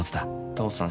父さん